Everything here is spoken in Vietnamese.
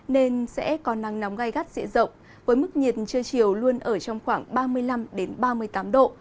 nên sẽ có nắng nóng gai gắt dịa rộng với mức nhiệt trưa chiều luôn ở trong khoảng ba mươi năm ba mươi tám độ